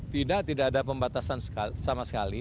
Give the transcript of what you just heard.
tidak tidak ada pembatasan sama sekali